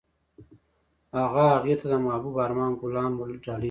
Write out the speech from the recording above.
هغه هغې ته د محبوب آرمان ګلان ډالۍ هم کړل.